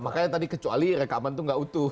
makanya tadi kecuali rekaman itu nggak utuh